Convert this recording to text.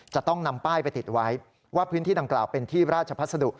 จะต้องนำป้ายไปติดไว้ว่าพื้นที่ดังกล่าวเป็นที่ราชพัสดุ